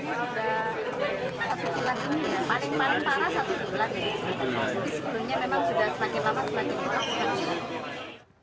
sejumlahnya memang sudah semakin lama semakin kolap